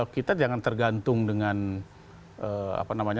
kita jangan tergantung dengan